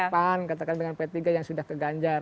pan katakan dengan p tiga yang sudah keganjar